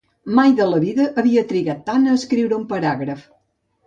Mai de la vida havia trigat tant a escriure un paràgraf.